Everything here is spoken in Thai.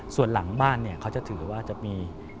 ส่วนหลังบ้านเนี่ยเขาจะถือว่าจะมี